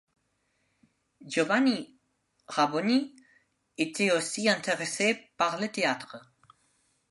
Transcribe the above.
Giovanni Raboni était aussi intéressé par le théâtre.